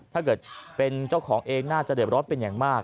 ถ้าเกิดเป็นเจ้าของเองน่าจะเดือดร้อนเป็นอย่างมาก